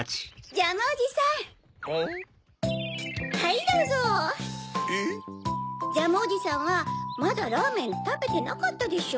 ジャムおじさんはまだラーメンたべてなかったでしょ？